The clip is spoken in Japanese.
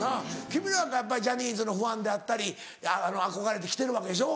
君なんかやっぱりジャニーズのファンであったり憧れて来てるわけでしょ？